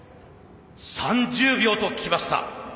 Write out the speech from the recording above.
３０秒ときました。